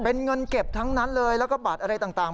เป็นเงินเก็บทั้งนั้นเลยแล้วก็บัตรอะไรต่าง